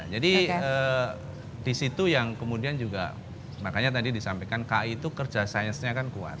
jadi di situ yang kemudian juga makanya tadi disampaikan kai itu kerja science nya kan kuat